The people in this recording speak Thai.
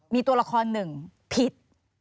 มีตัวละครหนึ่งพิษ